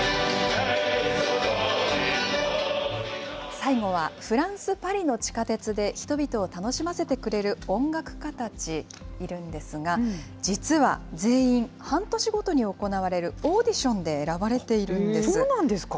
最後はフランス・パリの地下鉄で、人々を楽しませてくれる音楽家たちいるんですが、実は全員、半年ごとに行われるオーディションで選ばれているんでそうなんですか。